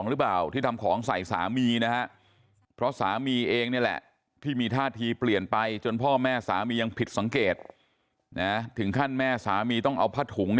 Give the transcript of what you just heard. หรือเปล่าที่ทำของใส่สามีนะฮะเพราะสามีเองนี่แหละที่มีท่าทีเปลี่ยนไปจนพ่อแม่สามียังผิดสังเกตถึงขั้นแม่สามีต้องเอาผ้าถุง